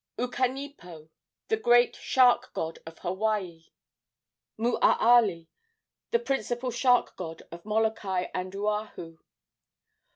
Ukanipo, the great shark god of Hawaii. Moaalii, the principal shark god of Molokai and Oahu.